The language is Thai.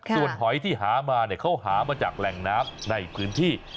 ส่วนหอยที่หามาเขาหามาจากแหล่งน้ำในพื้นที่